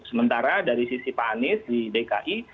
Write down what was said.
sementara dari sisi pak anies di dki